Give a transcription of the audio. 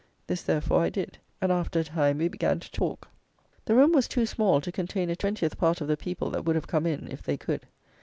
This, therefore, I did; and, after a time, we began to talk. The room was too small to contain a twentieth part of the people that would have come in if they could.